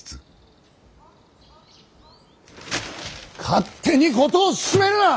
勝手に事を進めるな！